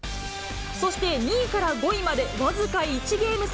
そして２位から５位まで僅か１ゲーム差。